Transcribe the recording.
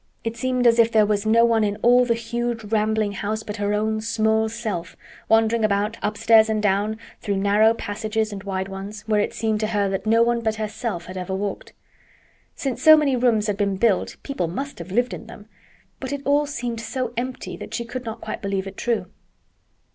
It seemed as if there was no one in all the huge rambling house but her own small self, wandering about upstairs and down, through narrow passages and wide ones, where it seemed to her that no one but herself had ever walked. Since so many rooms had been built, people must have lived in them, but it all seemed so empty that she could not quite believe it true.